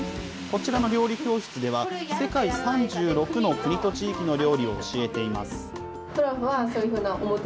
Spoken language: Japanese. こちらの料理教室では、世界３６の国と地域の料理を教えています。